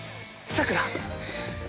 さくら！